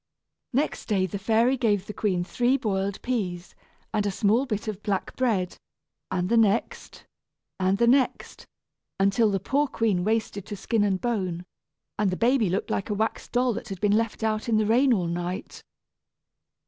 Next day the fairy gave the queen three boiled peas, and a small bit of black bread, and the next, and the next, until the poor queen wasted to skin and bone, and the baby looked like a wax doll that had been left out in the rain all night.